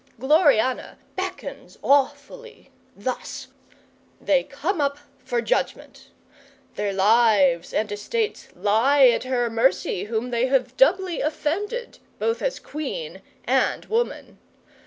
Gloriana beckons awfully thus! They come up for judgement. Their lives and estates lie at her mercy whom they have doubly offended, both as Queen and woman.